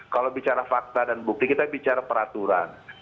kalau bicara fakta dan bukti kita bicara peraturan